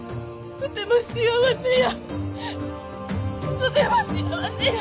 とても幸せや。